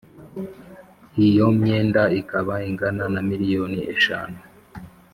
iyo myenda ikaba ingana na miliyoni eshanu